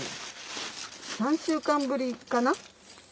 ３週間ぶりかな。